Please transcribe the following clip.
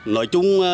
nói chung là